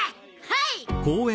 はい！